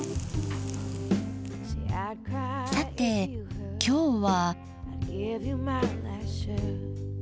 さて今日は。